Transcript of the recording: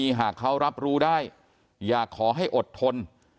หากเขารับรู้ได้อยากขอให้อดทน